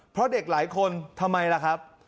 เพราะเด็กหลายคนทำไมล่ะครับ